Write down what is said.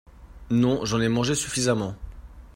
Non, j'en ai mangé suffisamment.